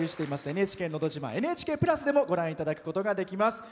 「ＮＨＫのど自慢」「ＮＨＫプラス」でもご覧いただくことができます。